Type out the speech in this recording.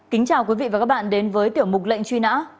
kính chào quý vị và các bạn đến với tiểu mục lệnh truy nã